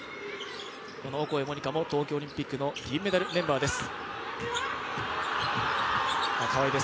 オコエ桃仁花も東京オリンピックの銀メダルメンバーです。